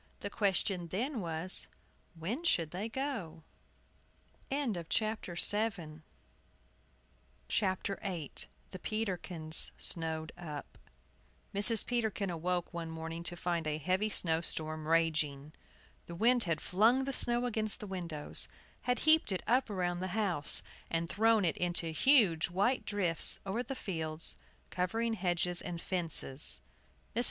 The question then was, "When should they go?" THE PETERKINS SNOWED UP. MRS. PETERKIN awoke one morning to find a heavy snow storm raging. The wind had flung the snow against the windows, had heaped it up around the house, and thrown it into huge white drifts over the fields, covering hedges and fences. Mrs.